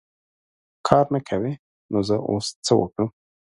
کار نه کوې ! نو زه اوس څه وکړم .